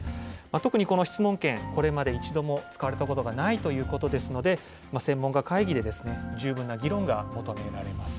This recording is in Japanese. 特にこの質問権、これまで一度も使われたことがないということですので、専門家会議で十分な議論が求められます。